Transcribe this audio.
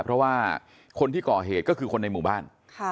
เพราะว่าคนที่ก่อเหตุก็คือคนในหมู่บ้าน